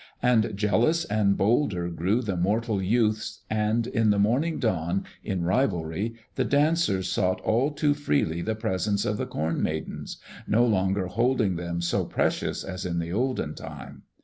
And jealous and bolder grew the mortal youths, and in the morning dawn, in rivalry, the dancers sought all too freely the presence of the Corn Maidens, no longer holding them so precious as in the olden time.